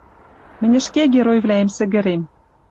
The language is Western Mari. Мӹнь ӹшке геройвлӓэм сӹгӹрем.